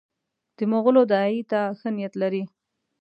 د مغولو داعیې ته ښه نیت لري.